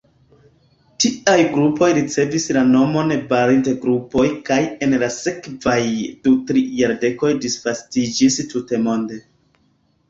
Tiaj grupoj ricevis la nomon Balint-grupoj kaj en la sekvaj du-tri jardekoj disvastiĝis tutmonde.